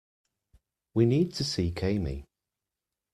We need to seek Amy.